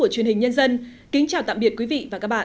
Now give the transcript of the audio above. xin chào tạm biệt quý vị và các bạn